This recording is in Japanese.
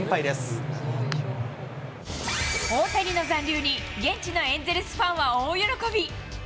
大谷の残留に現地のエンゼルスファンは大喜び。